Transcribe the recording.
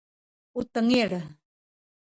u tengil